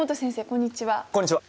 こんにちは。